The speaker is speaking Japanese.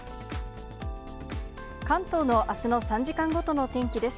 関東のあすの３時間ごとの天気です。